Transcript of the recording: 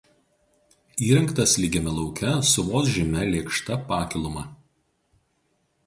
Įrengtas lygiame lauke su vos žymia lėkšta pakiluma.